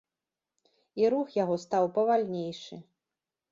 І рух яго стаў павальнейшы.